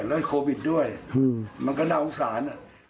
แล้วโควิดด้วยมันก็น่าสงสาร